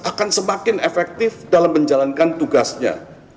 akan semakin efektif dalam menjalankan tugasnya